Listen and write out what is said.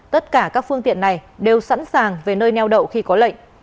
tất cả các phương tiện này đều sẵn sàng về nơi neo đậu khi có lệnh